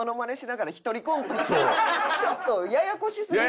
ちょっとややこしすぎない？